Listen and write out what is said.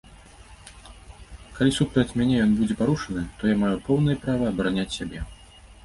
Калі супраць мяне ён будзе парушаны, то я маю поўнае права абараняць сябе.